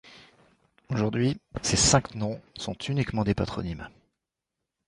Aujourd'hui, ces cinq noms sont uniquement des patronymes.